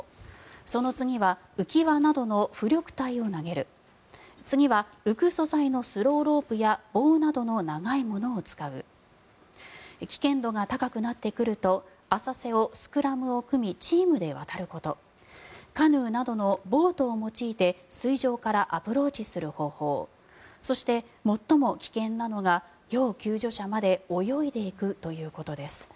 その次は浮き輪などの浮力体を投げる次は浮く素材のスローロープや棒などの長いものを使う危険度が高くなってくると浅瀬をスクラムを組みチームで渡ることカヌーなどのボートを用いて水上からアプローチする方法そして、最も危険なのが要救助者まで泳いでいくということです。